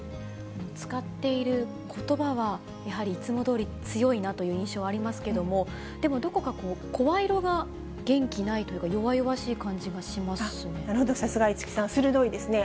使っていることばは、やはりいつもどおり、強いなという印象ありますけれども、でも、どこか声色が元気ないというか、なるほど、さすが市來さん、鋭いですね。